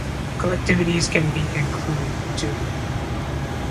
Collectivities can be included too.